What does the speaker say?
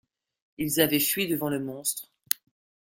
Ils avaient fui devant le monstre.